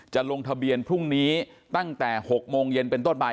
ลงทะเบียนพรุ่งนี้ตั้งแต่๖โมงเย็นเป็นต้นไป